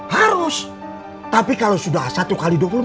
harus tapi kalau sudah satu x dua puluh empat jam